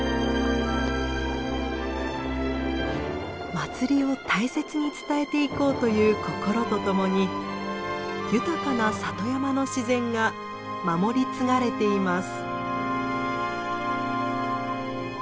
祭りを大切に伝えていこうという心とともに豊かな里山の自然が守り継がれています。